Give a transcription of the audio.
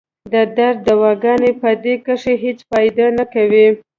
د درد دوايانې پۀ دې کښې هېڅ فائده نۀ کوي